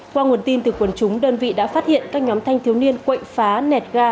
qua nguồn tin từ quần chúng đơn vị đã phát hiện các nhóm thanh thiếu niên quậy phá netga